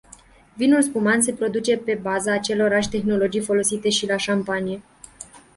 Vinul spumant se produce pe baza acelorași tehnologii folosite și la șampanie.